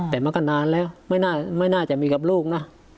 แต่มันก็นานแล้วไม่น่าจะมีกับลูกนะ